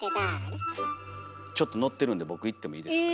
ちょっとノってるんで僕いってもいいですか？